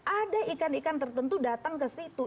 ada ikan ikan tertentu datang ke situ